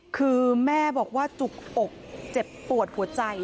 คือแม่บอกว่าจุกอกเจ็บปวดหัวใจ